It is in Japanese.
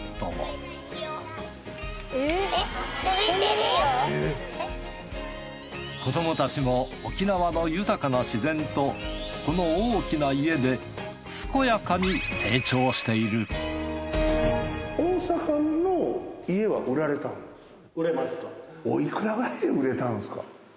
そして子どもたちも沖縄の豊かな自然とこの大きな家で健やかに成長しているおいくらくらいで売れたんですか？